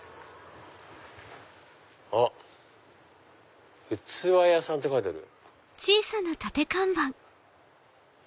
あっ器屋さんって書いてある。